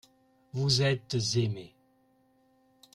Vous êtes aimés.